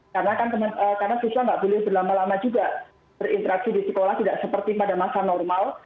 karena siswa nggak boleh berlama lama juga berinteraksi di sekolah tidak seperti pada masa normal